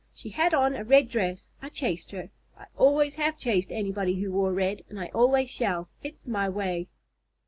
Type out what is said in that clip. "She had on a red dress. I chased her. I always have chased anybody who wore red, and I always shall. It's my way."